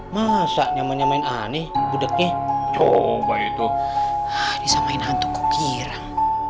masa nyamanya main aneh budegnya coba itu disamain hantu kok kiram